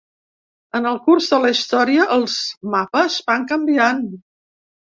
En el curs de la història els mapes van canviant.